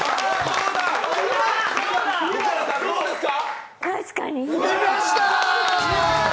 福原さん、どうですか？